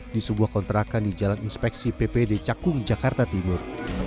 di sebuah kontrakan di jalan inspeksi ppd cakung jakarta timur